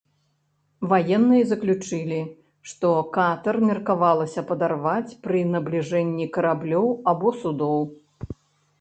Ваенныя заключылі, што катэр меркавалася падарваць пры набліжэнні караблёў або судоў.